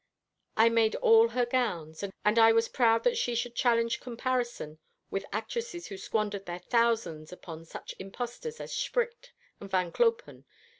I made all her gowns, and I was proud that she should challenge comparison with actresses who squandered their thousands upon such impostors as Spricht and Van Klopen.